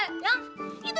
siapa yang berani jopan